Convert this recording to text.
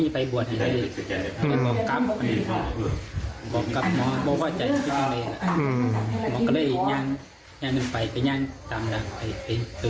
เพราะเหตุการณ์เพิ่งใหม่อยู่